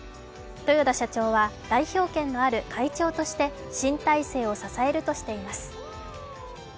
豊田社長は代表権のある会長として新体制を支えるとしています。